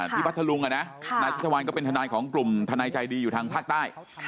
ที่บรรถลุงนะนาธิชชาวัยก็เป็นทนายของกลุ่มทนายใจดีอยู่ทางภาคใต้